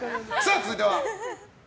続いては。